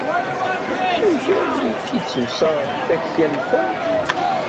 Amek armi ay k-id-tusa takti am ta?